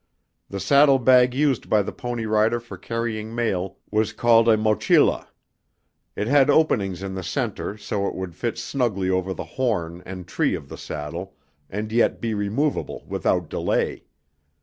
The saddle bag used by the pony rider for carrying mail was called a mochila; it had openings in the center so it would fit snugly over the horn and tree of the saddle and yet be removable without delay.